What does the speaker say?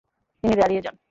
তিনি দাঁড়িয়ে যান।